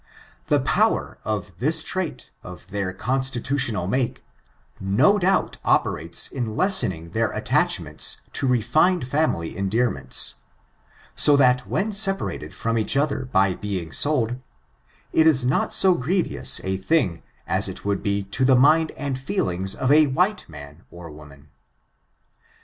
The power of this trait of their constitutional make, no doubt operates in lessening their attachments to re fined family endearments, so that when separated from each other by being sold, it is not so grievous a thing as it would be to the mind and feelings of a white man or woman.